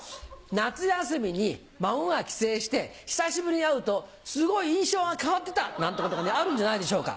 夏休みに孫が帰省して久しぶりに会うとすごい印象が変わってたなんてことがあるんじゃないでしょうか。